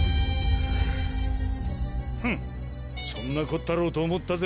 ふんそんなこったろうと思ったぜ。